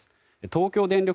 東京電力